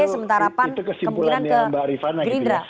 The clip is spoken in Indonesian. sementara pan kemudian ke gerindra